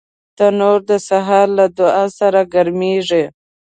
تنور د سهار له دعا سره ګرمېږي